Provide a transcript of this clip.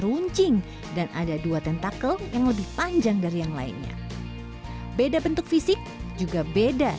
runcing dan ada dua tentakel yang lebih panjang dari yang lainnya beda bentuk fisik juga beda